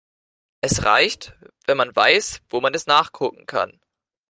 Es reicht, wenn man weiß, wo man es nachgucken kann.